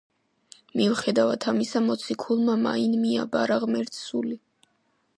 მიუხედავად ამისა მოციქულმა მაინ მიაბარა ღმერთს სული.